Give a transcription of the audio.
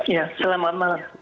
ya selamat malam